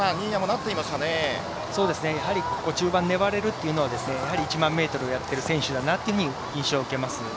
中盤粘ることができるそれが１００００ｍやっている選手だなという印象を受けます。